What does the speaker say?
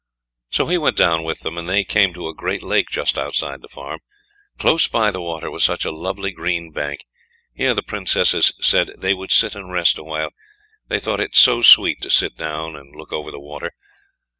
So he went down with them, and they came to a great lake just outside the farm. Close by the water was such a lovely green bank; here the Princesses said they would sit and rest a while; they thought it so sweet to sit down and look over the water.